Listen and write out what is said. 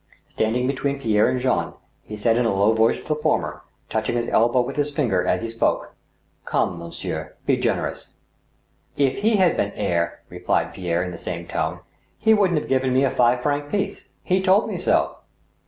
Standing between Pierre and Jean, he said in a low voice to the former, touching his elbow with his finger as he spoke :." Come, monsieur, be generous." " If he had been the heir," replied Pierre, in the same tone, " he wouldn't have given me a five franc piece. He told me so."